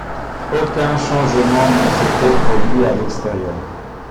Aucun changement ne s’était produit à l’extérieur.